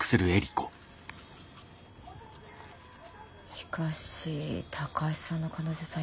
しかし高橋さんの彼女さん